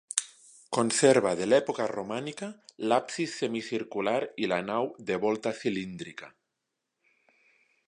Conserva de l'època romànica l'absis semicircular i la nau de volta cilíndrica.